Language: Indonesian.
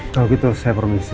kalau gitu saya permisi